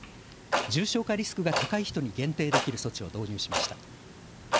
重症化リスクが高い人に限定できる措置を導入しました。